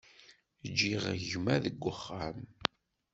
Ǧǧiɣ gma deg uxxam.